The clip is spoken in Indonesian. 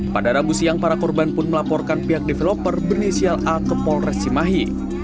pada rabu siang para korban pun melaporkan pihak developer berinisial a ke polres cimahi